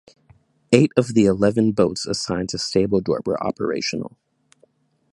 Eight of the eleven boats assigned to Stable Door were operational.